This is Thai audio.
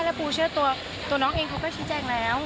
แล้วปูเชื่อตัวน้องเองเขาก็ชี้แจงแล้ว